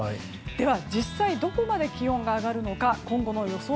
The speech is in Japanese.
では実際どこまで気温が上がるのか今後の予想